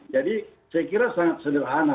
jadi saya kira sangat sederhana